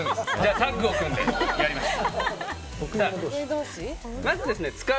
タッグを組んでやりましょう。